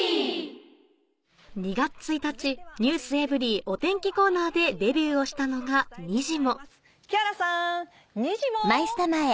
２月１日『ｎｅｗｓｅｖｅｒｙ．』お天気コーナーでデビューをしたのがにじモ木原さんにじモ！